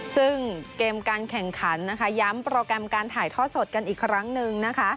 ซึ่งเกมการแข่งขันนะคะย้ำโปรแกรมการถ่ายทอดสดกันอีกครั้งหนึ่งนะคะ